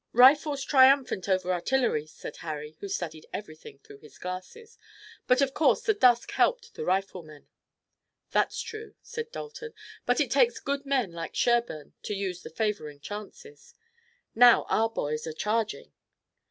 "Rifles triumphant over artillery," said Harry, who studied everything through his glasses; "but of course the dusk helped the riflemen." "That's true," said Dalton, "but it takes good men like Sherburne to use the favoring chances. Now our boys are charging!"